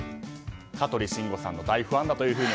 香取慎吾さんの大ファンだというふうに。